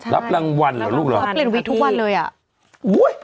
รับรางวัลเหรอลูกเหรอ